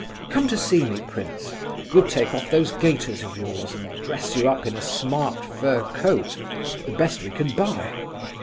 Come to see me, prince; we'll take off those gaiters of yours and dress you up in a smart fur coat, the best we can buy.